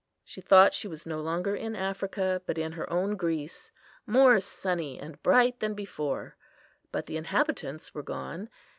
She thought she was no longer in Africa, but in her own Greece, more sunny and bright than before; but the inhabitants were gone.